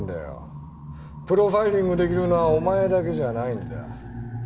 プロファイリングできるのはお前だけじゃないんだよ。